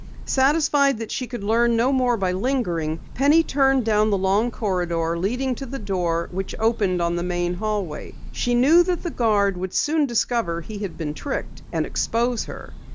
Satisfied that she could learn no more by lingering, Penny turned down the long corridor leading to the door which opened on the main hallway. She knew that the guard would soon discover he had been tricked and expose her.